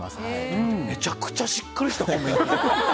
めちゃくちゃしっかりしたコメント。